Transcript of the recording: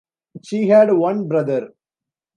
She had one brother.